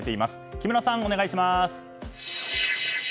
木村さん、お願いします。